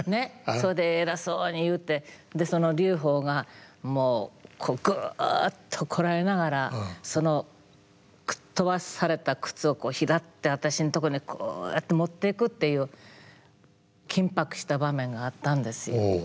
それで偉そうに言うてでその劉邦がもうグッとこらえながらその飛ばされた靴を拾って私んとこにこうやって持っていくっていう緊迫した場面があったんですよ。